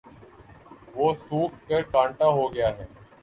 وہ سوکھ کر کانٹا ہو گیا ہے